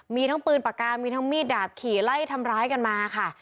มีทั้งปืนปากกามีทั้งมีดดาบขี่ไล่ทำร้ายกันมาค่ะ